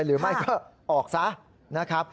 หรือไม่ก็ออกซะนะครับ